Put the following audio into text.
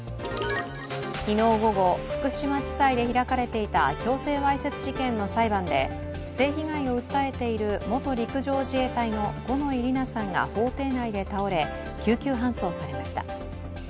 昨日午後、福島地裁で開かれていた強制わいせつ事件の裁判で性被害を訴えている元陸上自衛隊の五ノ井里奈さんが法廷内で倒れ、救急搬送されました